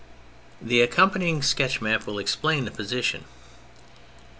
The accomi3anying sketch map will explain the position.